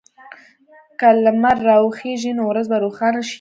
که لمر راوخېژي، نو ورځ به روښانه شي.